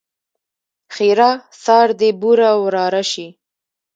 ښېرا؛ سار دې بوره وراره شي!